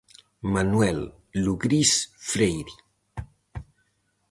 Manuel Lugrís Freire.